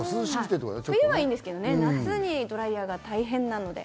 冬はいいんですけど、夏のドライヤーは大変なので。